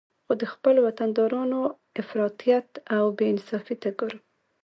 خو د خپل وطندارانو افراطیت او بې انصافي ته ګورم